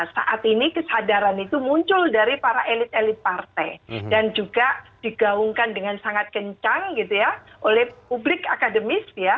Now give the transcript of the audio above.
saat ini kesadaran itu muncul dari para elit elit partai dan juga digaungkan dengan sangat kencang gitu ya oleh publik akademis ya